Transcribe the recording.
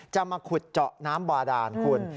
มาขุดเจาะน้ำบาดานคุณ